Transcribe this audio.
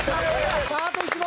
あと１問。